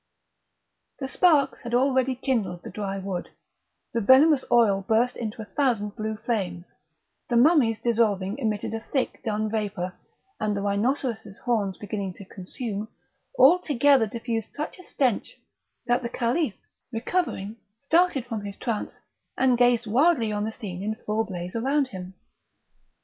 The sparks had already kindled the dry wood, the venomous oil burst into a thousand blue flames, the mummies dissolving emitted a thick dun vapour, and the rhinoceros' horns beginning to consume, all together diffused such a stench, that the Caliph, recovering, started from his trance, and gazed wildly on the scene in full blaze around him.